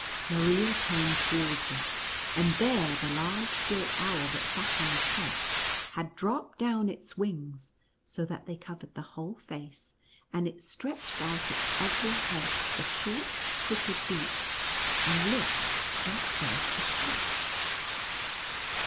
Maria turned towards it, and there the large gilt owl that sat on the top, had dropped down its wings, so that they covered the whole face, and it stretched out its ugly head with the short crooked beak, and looked just like a cat.